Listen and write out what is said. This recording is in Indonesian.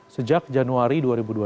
sejak januari dua ribu dua puluh